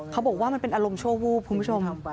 เขาบอกว่ามันเป็นอารมณ์ชั่ววูบคุณผู้ชม